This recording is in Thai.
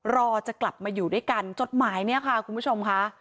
รอจะกลับมาอยู่ด้วยกันจดหมายเนี่ยค่ะคุณผู้ชมค่ะ